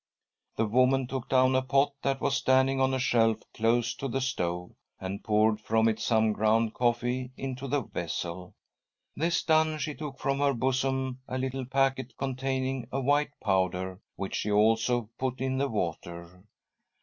The woman took down a pot. that was standing .— DAVID HOLM RETURNS TO PRISON 177 on a shelf close to the stove, and poured from it some ground coffee into the vessel. This done, she took from her bosom a little packet containing a white powder, which she also put in the water.